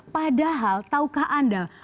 padahal tahukah anda